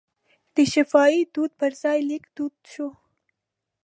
د شفاهي دود پر ځای لیک دود شو.